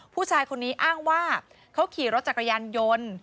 ผู้ชายคนนี้อ้างว่าเขาขี่รถจักรยานยนต์